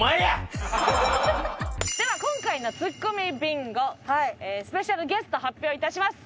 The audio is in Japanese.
では今回のツッコミビンゴスペシャルゲスト発表いたします。